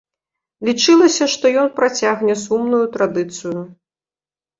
Лічылася, што ён працягне сумную традыцыю.